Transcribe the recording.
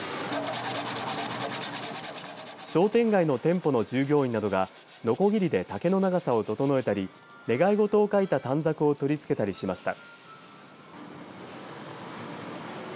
商店街の店舗の従業員などがのこぎりで竹の長さを整えたり願い事を書いた短冊を取り付けたりしました。